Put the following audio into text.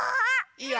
いいよ。